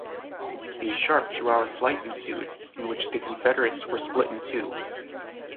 A sharp two-hour fight ensued in which the Confederates were split in two.